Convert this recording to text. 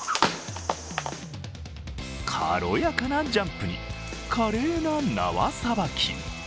軽やかなジャンプに、華麗な縄さばき。